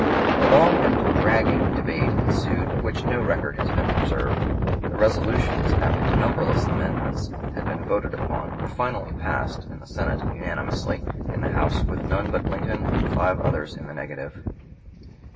A long and dragging debate ensued of which no record has been preserved; the resolutions, after numberless amendments had been voted upon, were finally passed, in the Senate, unanimously, in the House with none but Lincoln and five others in the negative.